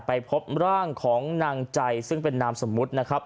ไปพบร่างของนางใจซึ่งเป็นนามสมมุตินะครับ